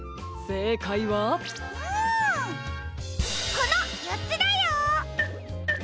このよっつだよ！